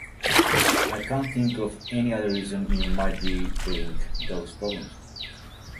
I can't think of any other reason you might be having those problems.